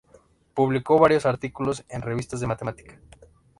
Publicó varios artículos en revistas de matemática.